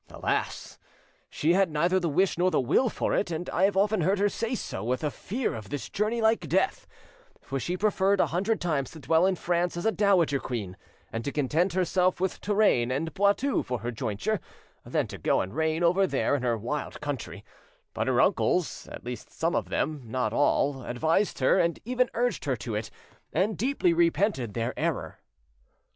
Alas! she had neither the wish nor the will for it, and I have often heard her say so, with a fear of this journey like death; for she preferred a hundred times to dwell in France as a dowager queen, and to content herself with Touraine and Poitou for her jointure, than to go and reign over there in her wild country; but her uncles, at least some of them, not all, advised her, and even urged her to it, and deeply repented their error."